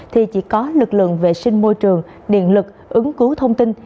thì chỉ có lực lượng vệ sinh môi trường điện lực ứng cứu thông tin